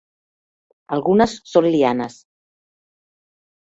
Algunes són lianes.